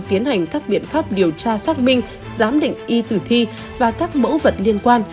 tiến hành các biện pháp điều tra xác minh giám định y tử thi và các mẫu vật liên quan